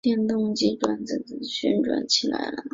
电动机转子就旋转起来了。